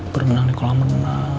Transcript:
berenang di kolam renang